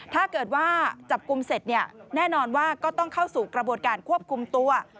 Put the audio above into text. ถ้าเกิดว่าจับกลุ่มเสร็จเนี่ยแน่นอนว่าก็ต้องเข้าสู่กระบวนการควบคุมตัว